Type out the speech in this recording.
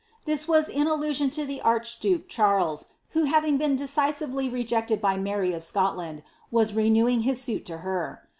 "' This was in allusion to the archduke Charles, who having been deci sively rejected by Mary of Scotland, was renewing his suit to her.